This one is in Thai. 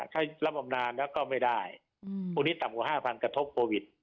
ถ้ารับอ๋อมนานแล้วก็ไม่ได้อืมพวกนี้ต่ำกว่าห้าพันกระทบโปรวิต